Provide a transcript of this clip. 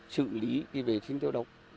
xử lý cái vệ sinh tiêu độc